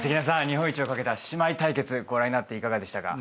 日本一を懸けた姉妹対決ご覧になっていかがでしたか？